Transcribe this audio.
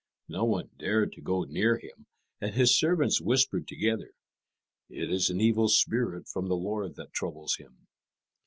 No one dared to go near him, and his servants whispered together, "It is an evil spirit from the Lord that troubles him."